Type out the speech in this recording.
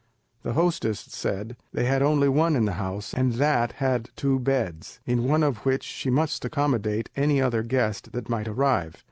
The hostess said they had only one in the house and that had two beds, in one of which she must accommodate any other guest that might arrive.